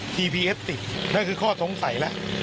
พีพีเอฟติกนั่นคือข้อสงสัยแล้ว